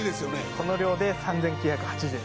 この量で３，９８０円。